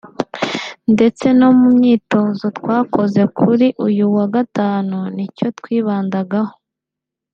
ndetse no mu myitozo twakoze kuri uyu wa gatanu ni cyo twibandagaho